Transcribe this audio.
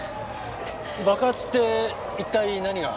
爆発って一体何が？